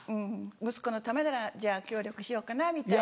息子のためならじゃあ協力しようかなみたいな。